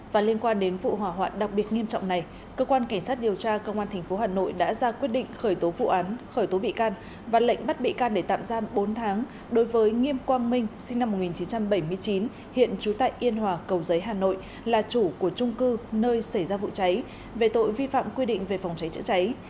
và liên quan đến vụ hỏa hoạn đặc biệt nghiêm trọng này cơ quan cảnh sát điều tra công an tp hà nội đã ra quyết định khởi tố vụ án khởi tố bị can và lệnh bắt bị can để tạm giam bốn tháng đối với nghiêm quang minh sinh năm một nghìn chín trăm bảy mươi chín hiện trú tại yên hòa cầu giấy hà nội là chủ của trung cư nơi xảy ra vụ cháy về tội vi phạm quy định về phòng cháy chữa cháy